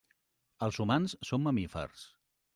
Els humans són mamífers.